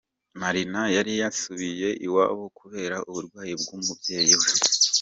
Marina yari yasubiye iwabo kubera uburwayi bw'umubyeyi we.